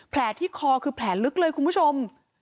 ที่คอคือแผลลึกเลยคุณผู้ชม